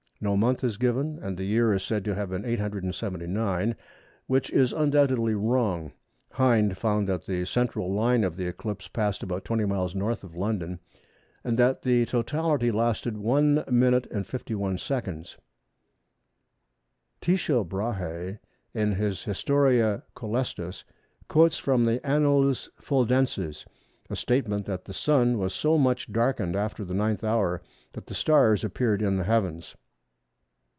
No month is given, and the year is said to have been 879, which is undoubtedly wrong. Hind found that the central line of the eclipse passed about 20 miles N. of London, and that the totality lasted 1m. 51s. Tycho Brahe in his Historia Cœlestis quotes from the Annales Fuldenses a statement that the Sun was so much darkened after the 9th hour that the stars appeared in the heavens.